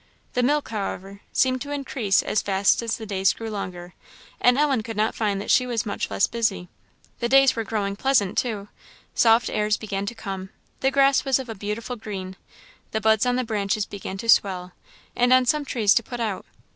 The milk, however, seemed to increase as fast as the days grew longer, and Ellen could not find that she was much less busy. The days were growing pleasant, too; soft airs began to come; the grass was of a beautiful green; the buds on the branches began to swell, and on some trees to put out.